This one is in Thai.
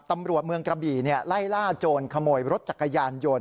ตำรวจเมืองกระบี่ไล่ล่าโจรขโมยรถจักรยานยนต์